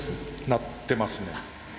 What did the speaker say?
鳴ってますね。